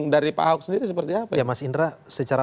dari pak ahok sendiri seperti apa